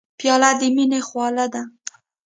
پیاله د مینې خواله ده.